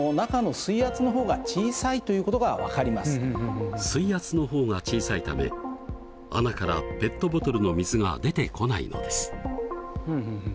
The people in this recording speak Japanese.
水圧の方が小さいため穴からペットボトルの水が出てこないのです。